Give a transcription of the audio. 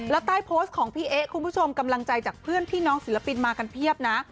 แล้วใต้โพสต์ของพี่เอ๊ะคุณผู้ชมกำลังใจจากเพื่อนพี่น้องศิลปินมากันเพียบนะ